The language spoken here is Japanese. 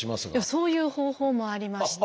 そういう方法もありまして。